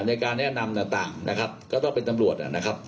ในการแนะนำต่างนะครับก็ต้องเป็นตำรวจนะครับ